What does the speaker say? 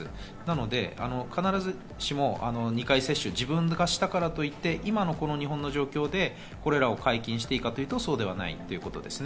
なので必ずしも２回接種、自分がしたからといって、今の日本の状況で、これらを解禁していいかというと、そうではないということです。